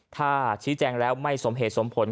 ถ้าชี้แจงแล้วไม่สมเหตุสมผล